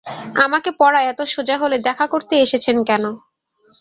আমাকে পড়া এত সোজা হলে দেখা করতে এসেছেন কেন?